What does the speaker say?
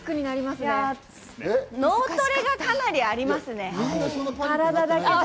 脳トレがかなりありますね。